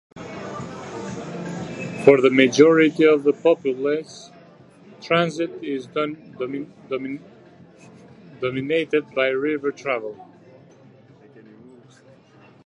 For the majority of the populace, transit is dominated by river travel.